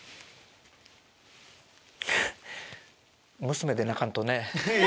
娘で泣かんとね。